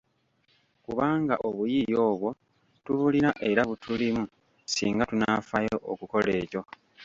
Kubanga obuyiiya obwo tubulina era butulimu singa tunaafaayo okukola ekyo.